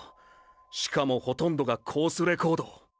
しかもほとんどがコースレコード！！